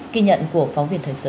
kỳ nhận của phóng viên thời sự